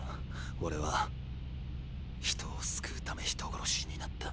俺は人を救うため人殺しになった。